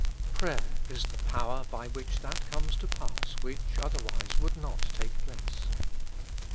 Prayer is the power by which that comes to pass which otherwise would not take place.